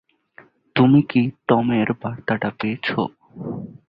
তুমি কি টমের বার্তাটা পেয়েছো?